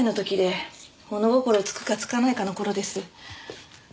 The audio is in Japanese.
物心つくかつかないかの頃です。